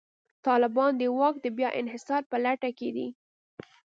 طالبان د واک د بیا انحصار په لټه کې دي.